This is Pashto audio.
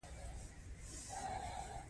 یا عملاً داسې یوې پایلې ته رسیږي.